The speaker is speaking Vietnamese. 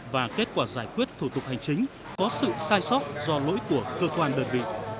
và kết quả giải quyết thủ tục hành chính có sự sai sót do lỗi của cơ quan đơn vị